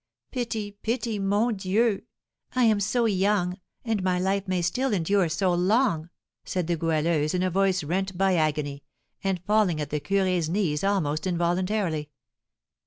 "Pity, pity, mon Dieu! I am so young, and my life may still endure so long," said the Goualeuse, in a voice rent by agony, and falling at the curé's knees almost involuntarily.